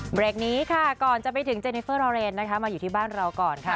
เบรกนี้ค่ะก่อนจะไปถึงเจเนเฟอร์รอเรนนะคะมาอยู่ที่บ้านเราก่อนค่ะ